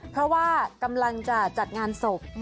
เพราะว่ากำลังจะจัดงานศพ